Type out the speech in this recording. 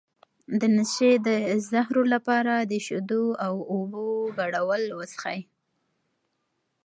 د نشې د زهرو لپاره د شیدو او اوبو ګډول وڅښئ